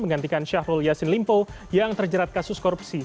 menggantikan syahrul yassin limpo yang terjerat kasus korupsi